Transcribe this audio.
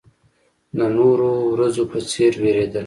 د نورو ورځو په څېر وېرېدله.